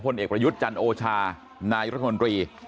เอกประยุทธ์จันโอชานายรัฐมนตรี